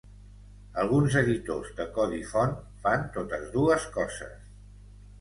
Alguns editors de codi font fan totes dues coses.